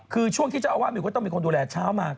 คือช่วงที่เจ้าอาวาสมิวก็ต้องมีคนดูแลเช้ามา